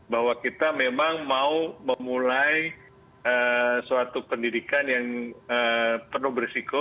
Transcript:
bahwa kita memang mau memulai suatu pendidikan yang penuh berisiko